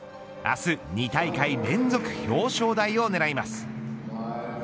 明日、２大会連続表彰台を狙います。